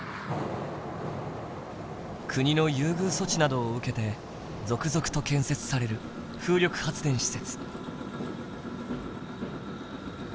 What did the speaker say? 国の優遇措置などを受けて続々と建設される風力発電施設。